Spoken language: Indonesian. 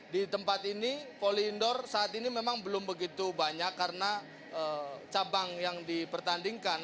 di tempat ini volley indoor saat ini memang belum begitu banyak karena cabang yang dipertandingkan